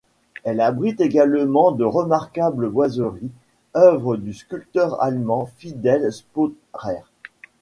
Elle abrite également de remarquables boiseries, œuvres du sculpteur allemand Fidèle Sporer.